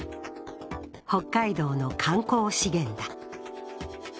北海道の観光資源だ。